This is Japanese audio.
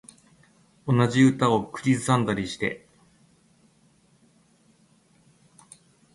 同じ歌を口ずさんでたりして